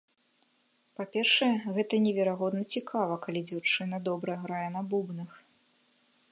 Па-першае, гэта неверагодна цікава, калі дзяўчына добра грае на бубнах.